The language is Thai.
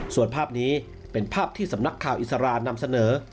ส่วนภาพนี้เป็นภาพที่สำนักข่าวอิสรานำเสนอ